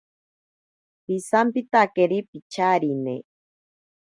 Pisampitakeri picharine.